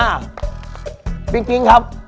อ่าปิ๊กปิ๊กครับ